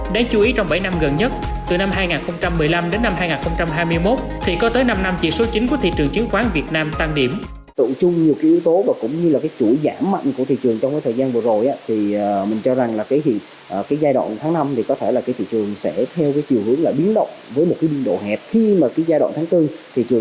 đáng chú ý trong bảy năm gần nhất từ năm hai nghìn một mươi năm đến năm hai nghìn hai mươi một thì có tới năm năm chỉ số chính của thị trường chứng khoán việt nam tăng điểm